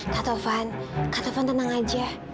katovan katovan tenang aja